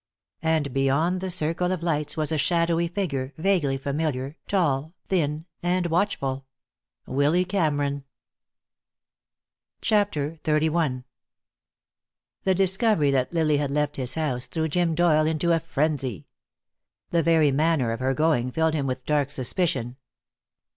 And beyond the circle of lights was a shadowy figure, vaguely familiar, tall, thin, and watchful. Willy Cameron. CHAPTER XXXI The discovery that Lily had left his house threw Jim Doyle into a frenzy. The very manner of her going filled him with dark suspicion.